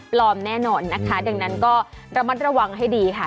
แน่นอนนะคะดังนั้นก็ระมัดระวังให้ดีค่ะ